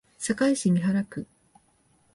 堺市美原区